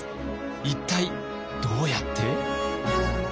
一体どうやって？